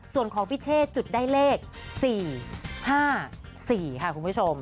ส่วนของพี่เช่จุดได้เลข๔๕๔ค่ะคุณผู้ชม